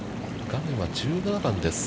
画面は１７番です。